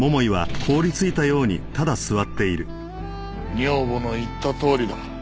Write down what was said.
女房の言ったとおりだ。